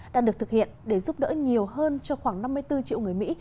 đang được thực hiện để giúp đỡ nhiều hơn cho khoảng năm mươi bốn triệu người mỹ